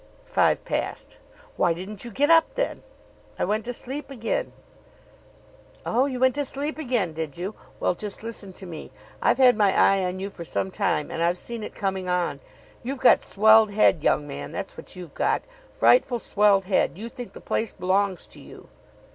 "Five past." "Why didn't you get up then?" "I went to sleep again." "Oh, you went to sleep again, did you? Well, just listen to me. I've had my eye on you for some time, and I've seen it coming on. You've got swelled head, young man. That's what you've got. Frightful swelled head. You think the place belongs to you."